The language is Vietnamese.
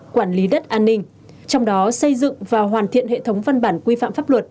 quản lý đất an ninh trong đó xây dựng và hoàn thiện hệ thống văn bản quy phạm pháp luật